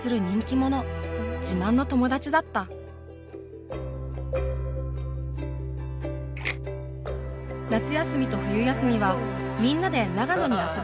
自慢の友達だった夏休みと冬休みはみんなで長野に遊びに行くのが恒例行事。